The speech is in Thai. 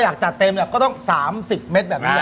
อยากจัดเต็มเนี้ยก็ต้องสามสิบเม็ดแบบนี้